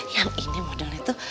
yang ini modelnya tuh